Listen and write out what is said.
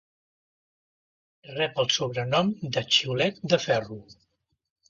Rep el sobrenom de "Xiulet de ferro".